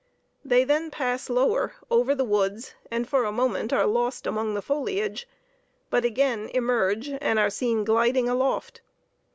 They then pass lower, over the woods, and for a moment are lost among the foliage, but again emerge, and are seen gliding aloft.